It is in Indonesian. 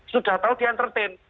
sudah tau dia entertain